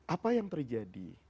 apa yang terjadi